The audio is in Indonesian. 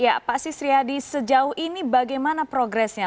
ya pak sisriyadi sejauh ini bagaimana progresnya